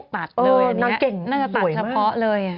ปัดเลยน่าจะปัดทะเพาะเลย